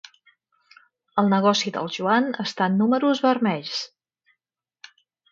El negoci del Joan està en números vermells.